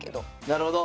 なるほど。